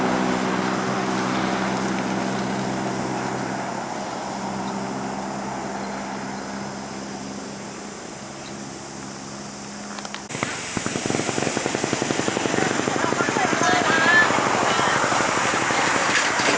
มันก็สงสารหลานหนูแมว